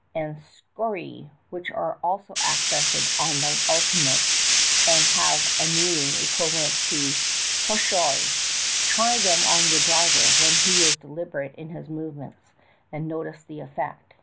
^" and Skorey which are also accented on the ultimate and have a meaning equivalent to *'^PoshoL^' Try them on your driver when he is deliberate in his movements, and note the effect.